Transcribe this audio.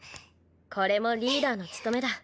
これもリーダーの務めだ。